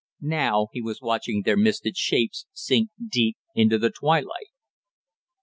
Now he was watching their misted shapes sink deep into the twilight.